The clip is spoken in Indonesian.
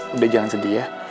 udah jangan sedih ya